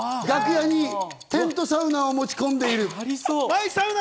楽屋にテントサウナを持ち込んでいる。